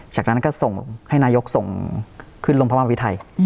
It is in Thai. จากนั้นก็ส่งให้นายกส่งขึ้นลงพระมหาวิทัย